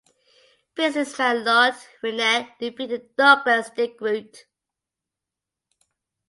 Businessman Lloyd Winnecke defeated Douglas De Groot.